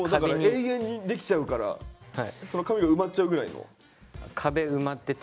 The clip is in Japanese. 永遠にできちゃうからその紙が埋まっちゃうぐらいの。